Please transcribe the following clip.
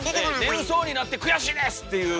「眠そうになって悔しいです！」っていう。